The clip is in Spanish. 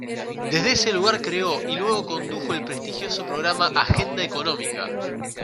Desde ese lugar creó y luego condujo el prestigioso programa Agenda Económica.